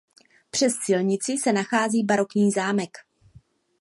Přes silnici se nachází barokní zámek.